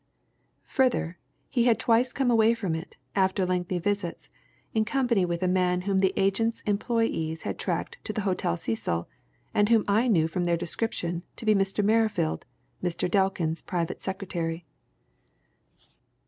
Further, he had twice come away from it, after lengthy visits, in company with a man whom the agent's employees had tracked to the Hotel Cecil, and whom I knew, from their description, to be Mr. Merrifield, Mr. Delkin's private secretary.